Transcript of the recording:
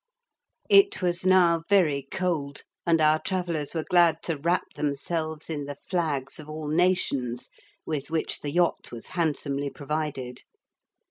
It was now very cold, and our travellers were glad to wrap themselves in the flags of all nations with which the yacht was handsomely provided.